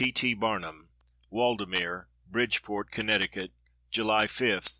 P. T. BARNUM. WALDEMERE, BRIDGEPORT, } Connecticut, July 5, 1869.